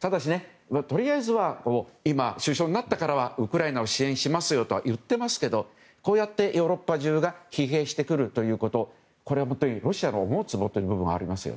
ただし、とりあえずは今首相になってウクライナを支援しますよと言ってはいますけどこうやってヨーロッパ中が疲弊してくるということは本当にロシアの思うつぼの部分はありますよね。